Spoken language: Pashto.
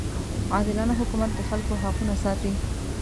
عادلانه حکومت د خلکو حقونه ساتي.